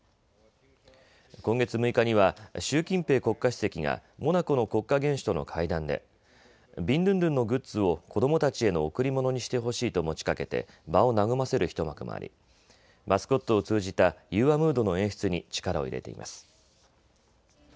今月６日には習近平国家主席がモナコの国家元首との会談でビンドゥンドゥンのグッズを子どもたちへの贈り物にしてほしいと持ちかけて場を和ませる一幕もありマスコットを通じた融和ムードの演出に力を入れています。